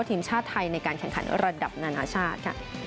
ทีมชาติไทยในการแข่งขันระดับนานาชาติค่ะ